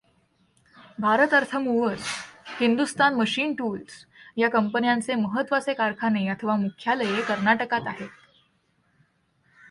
Bharat Earth Movers, Hindustan Machine Tools ह्या कंपन्यांचे महत्त्वाचे कारखाने अथवा मुख्यालये कर्नाटकात आहेत.